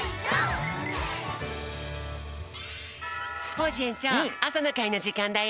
コージえんちょうあさのかいのじかんだよ。